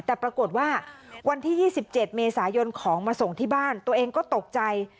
แต่ปรากฏว่าวันที่๒๗เมษายนของมาส่งที่บ้านตัวเองก็ตกใจ